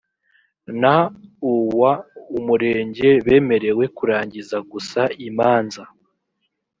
n uw umurenge bemerewe kurangiza gusa imanza